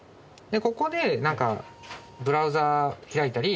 ここでなんかブラウザーを開いたり。